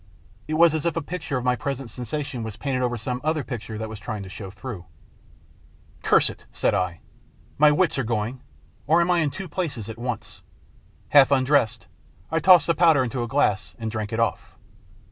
It was as if the picture of my present sensations was painted over some other picture that was trying to show STORY OF THE LATE MR. ELVESHAM 59 through. " Curse it !" said I ;" my wits are going, or am I in two places at once?" Half undressed, I tossed the powder into a glass and drank it off.